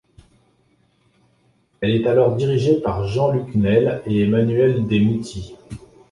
Elle est alors dirigée par Jean-Luc Nelle et Emmanuel des Moutis.